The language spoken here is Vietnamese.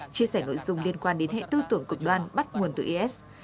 chia sẻ nội dung liên quan đến hệ tư tưởng cực đoan bắt nguồn từ is